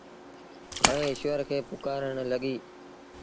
ائيٚݩ ايٚشور کي پُڪآرڻ لڳيٚ۔